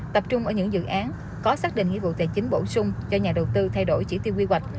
tập trung ở những dự án có xác định nghĩa vụ tài chính bổ sung cho nhà đầu tư thay đổi chỉ tiêu quy hoạch